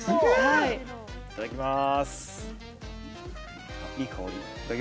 いただきます。